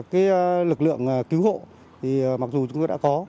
cái lực lượng cứu hộ thì mặc dù chúng tôi đã có